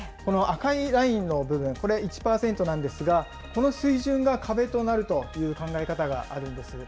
この赤いラインの部分、これ、１％なんですが、この水準が壁となるという考え方があるんです。